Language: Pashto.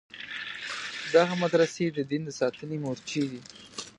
دغه مدرسې د دین د ساتنې مورچې دي.